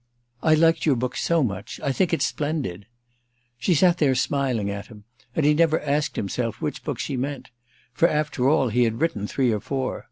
"I liked your book so much. I think it splendid." She sat there smiling at him, and he never asked himself which book she meant; for after all he had written three or four.